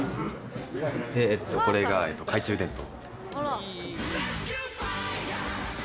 これが懐中電灯。